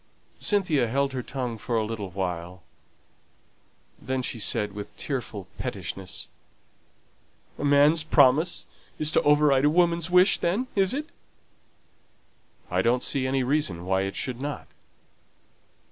Cynthia held her tongue for a little while. Then she said, with tearful pettishness, "A man's promise is to override a woman's wish, then, is it?" "I don't see any reason why it should not."